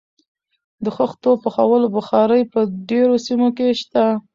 د خښتو پخولو بخارۍ په ډیرو سیمو کې شته.